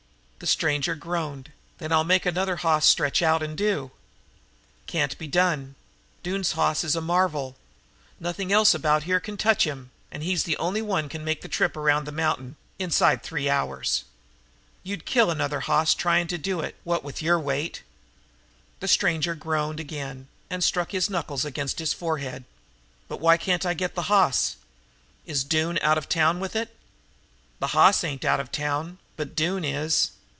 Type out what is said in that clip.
The stranger groaned. "Then I'll make another hoss stretch out and do." "Can't be done. Doone's hoss is a marvel. Nothing else about here can touch him, and he's the only one that can make the trip around the mountain, inside of three hours. You'd kill another hoss trying to do it, what with your weight." The stranger groaned again and struck his knuckles against his forehead. "But why can't I get the hoss? Is Doone out of town with it?" "The hoss ain't out of town, but Doone is."